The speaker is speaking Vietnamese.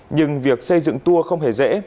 nhưng việc xây dựng tour không hề dễ